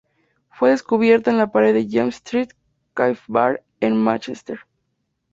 Fue descubierta en la pared del "Jam Street Cafe Ba"r en Mánchester.